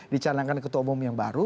dicanangkan ketua umum yang baru